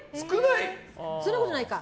そんなことないか。